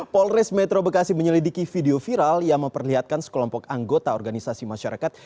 polres metro bekasi menyelidiki video viral yang memperlihatkan sekelompok anggota organisasi masyarakat